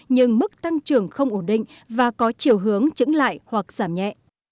nhưng mức tăng trưởng không ổn định và có chiều hướng chứng lại hoặc giảm nhẹ